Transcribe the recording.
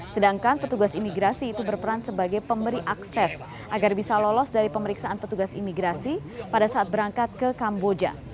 sedangkan petugas imigrasi itu berperan sebagai pemberi akses agar bisa lolos dari pemeriksaan petugas imigrasi pada saat berangkat ke kamboja